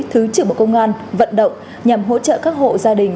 thứ trưởng bộ công an vận động nhằm hỗ trợ các hộ gia đình